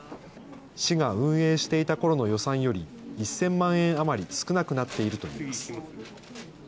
市が運営していたころの予算より１０００万円余り少なくなっているといいます。